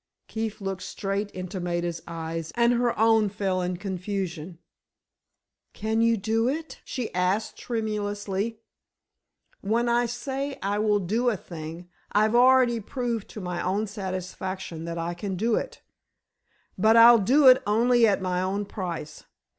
Keefe looked straight into Maida's eyes, and her own fell in confusion. "Can you do it?" she asked, tremulously. "When I say I will do a thing, I've already proved to my own satisfaction that I can do it. But, I'll do it only at my own price.